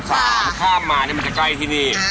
ข้ามมานี่มันจะใกล้ที่นี่